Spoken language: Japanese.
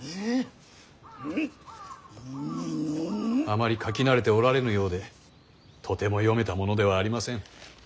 あまり書き慣れておられぬようでとても読めたものではありません。